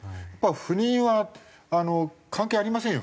不妊は関係ありませんよね？